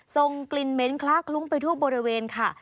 ส่งกลิ่นเหม็นคล้าคลุ้งไปทั่วบริเวณค่ะ